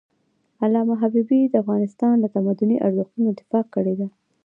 علامه حبيبي د افغانستان له تمدني ارزښتونو دفاع کړی ده.